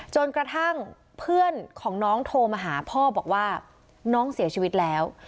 จนกระทั่งเพื่อนของน้องโทรมาหาพ่อบอกว่าน้องเสียชีวิตแล้ว